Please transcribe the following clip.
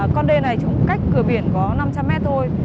con đê này cũng cách cửa biển có năm trăm linh m thôi